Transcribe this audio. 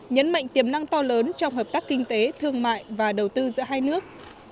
nhấn mạnh tiềm năng to lớn trong hợp tác kinh tế thương mại và đầu tư giữa hai nước